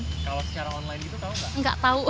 kalau secara online gitu tahu nggak